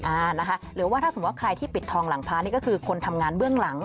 อ่านะคะหรือว่าถ้าสมมุติว่าใครที่ปิดทองหลังพระนี่ก็คือคนทำงานเบื้องหลัง